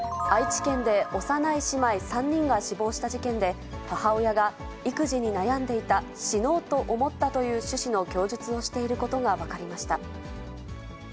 愛知県で幼い姉妹３人が死亡した事件で、母親が、育児に悩んでいた、死のうと思ったという趣旨の供述をしていることが分かりまし